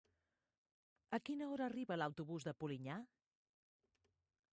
A quina hora arriba l'autobús de Polinyà?